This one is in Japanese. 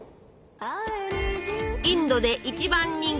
インドで一番人気！